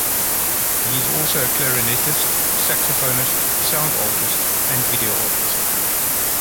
He is also a clarinetist, saxophonist, sound artist, and video artist.